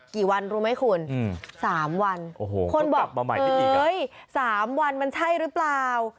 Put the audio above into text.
กี่วันรู้ไหมคุณอืมสามวันโอ้โหคนบอกเอ้ยสามวันมันใช่หรือเปล่า